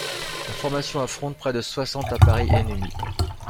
Sa formation affronte près de soixante appareils ennemis.